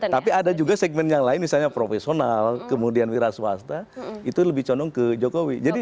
tapi ada juga segmen yang lain misalnya profesional kemudian wira swasta itu lebih condong ke jokowi